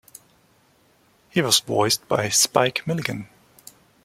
He was voiced by Spike Milligan.